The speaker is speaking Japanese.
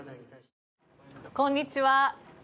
こんにちは。